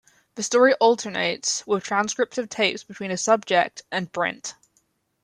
The story alternates with transcripts of tapes between a "subject" and Brint.